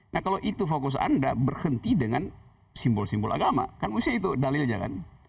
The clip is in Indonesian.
nah kalau itu fokus anda berhenti dengan simbol simbol agama kan usia itu dalilnya kan